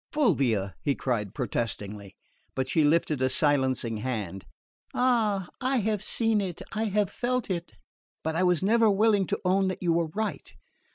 "Fulvia!" he cried protestingly; but she lifted a silencing hand. "Ah, I have seen it I have felt it but I was never willing to own that you were right.